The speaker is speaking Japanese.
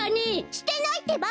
してないってば！